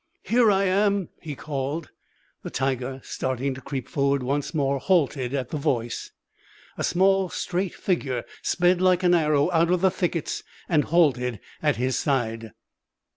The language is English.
"Here I am!" he called. The tiger, starting to creep forward once more, halted at the voice. A small straight figure sped like an arrow out of the thickets and halted at his side.